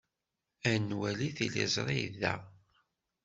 Ad nwali tiliẓri da.